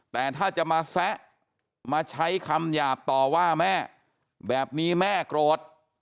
แต่ถ้าจะมาแซะมาใช้คำหยาบต่อว่าแม่แบบนี้แม่โกรธ